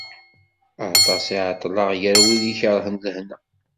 Aṭas i ɛeṭṭleɣ gar wid ikerhen lehna.